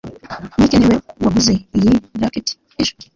mike niwe waguze iyi racket ejo